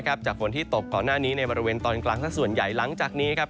จากฝนที่ตกก่อนหน้านี้ในบริเวณตอนกลางสักส่วนใหญ่หลังจากนี้ครับ